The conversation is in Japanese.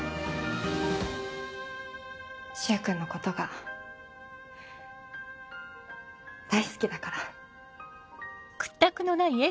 柊君のことが大好きだから。